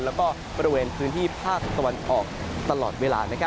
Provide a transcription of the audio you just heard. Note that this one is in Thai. แล้วก็บริเวณพื้นที่ภาคตะวันออกตลอดเวลา